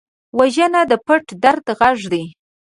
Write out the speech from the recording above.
وژنه د پټ درد غږ دی